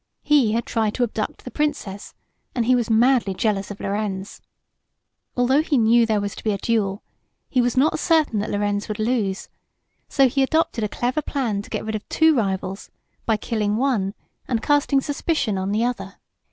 He had tried to abduct the Princess, and he was madly jealous of Lorenz. Although he knew there was to be a duel, he was not certain that Lorenz would lose, so he adopted a clever plan to get rid of two rivals by killing one and casting suspicion on the other.